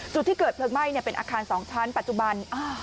จุดที่เกิดเพลิงไหม้เป็นอาคาร๒ชั้นปัจจุบัน